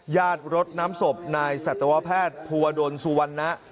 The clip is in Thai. ญาติรถน้ำศพนายศัตรวแพทย์ภูวะดนสุวรรณะ